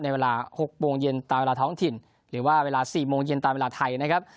เวลา๖โมงเย็นตามเวลาท้องถิ่นหรือว่าเวลา๔โมงเย็นตามเวลาไทยนะครับ